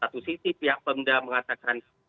satu sisi pihak pemda mengatakan